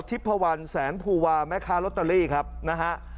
ทิพพวันแสนภูวาแม่ค้าลอตเตอรี่ครับนะฮะ